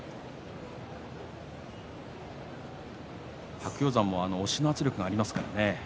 白鷹山も押しの圧力がありますからね。